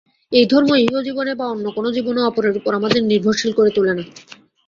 এই ধর্ম ইহজীবনে বা অন্য কোন জীবনে অপরের উপর আমাদের নির্ভরশীল করে তোলে না।